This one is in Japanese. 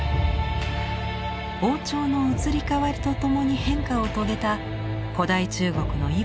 王朝の移り変わりとともに変化を遂げた古代中国の息吹を今に伝えています。